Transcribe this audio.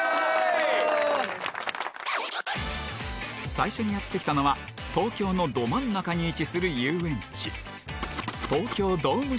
最初にやって来たのは東京のど真ん中に位置する遊園地